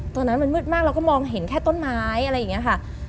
ตอนนั้นมันมืดมากเราก็มองเห็นแค่ต้นไม้อะไรอย่างนี้ค่ะ